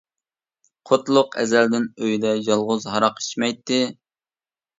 قۇتلۇق ئەزەلدىن ئۆيدە يالغۇز ھاراق ئىچمەيتتى.